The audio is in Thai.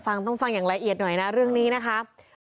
ต้องฟังอย่างละเอียดหน่อยนะเรื่องนี้นะครับ